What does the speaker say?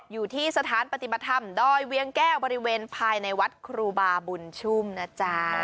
อยู่ที่สถานปฏิบัติธรรมดอยเวียงแก้วบริเวณภายในวัดครูบาบุญชุ่มนะจ๊ะ